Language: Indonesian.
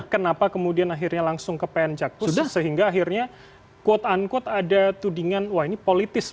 kenapa kemudian langsung ke pn jakarta pusat sehingga akhirnya ada tudingan wah ini politis